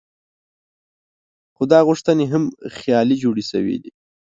خو دا غوښتنې هم خیالي جوړې شوې دي.